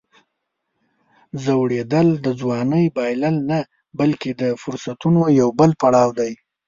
زوړېدل د ځوانۍ بایلل نه، بلکې د فرصتونو یو بل پړاو دی.